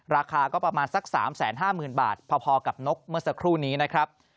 ราคาก็ประมาณสัก๓๕๐๐๐บาทพอกับนกเมื่อสักครู่นี้นะครับ